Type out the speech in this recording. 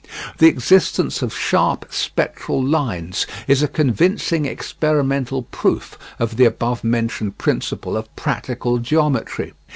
The existence of sharp spectral lines is a convincing experimental proof of the above mentioned principle of practical geometry.